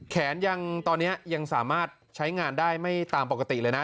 แขนยังตอนนี้ยังสามารถใช้งานได้ไม่ตามปกติเลยนะ